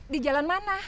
di jalan mau kabur